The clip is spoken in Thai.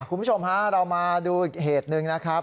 คุณผู้ชมฮะเรามาดูอีกเหตุหนึ่งนะครับ